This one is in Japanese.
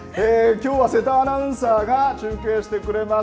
きょうは瀬田アナウンサーが中継してくれます。